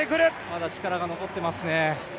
まだ力が残ってますね。